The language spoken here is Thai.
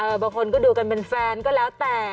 บางคนก็ดูกันเป็นแฟนก็แล้วแต่